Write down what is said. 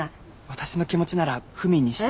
私の気持ちなら文にして。